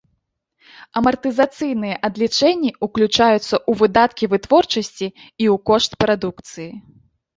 Амартызацыйныя адлічэнні ўключаюцца ў выдаткі вытворчасці і ў кошт прадукцыі.